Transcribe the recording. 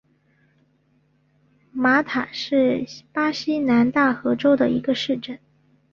马塔是巴西南大河州的一个市镇。